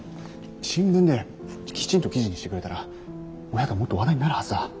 新聞できちんと記事にしてくれたらお百はもっと話題になるはずだ。